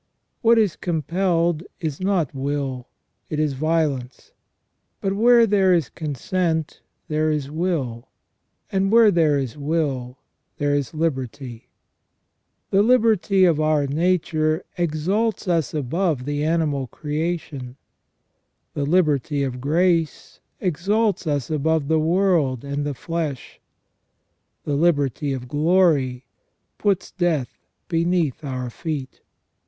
What is compelled is not will, it is violence ; but where there is consent there is will, and where there is will there is liberty. The liberty of our nature exalts us above the animal creation ; the liberty of grace exalts us above the world and the flesh ; the liberty of glory puts death beneath our feet.